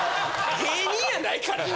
芸人やないからな。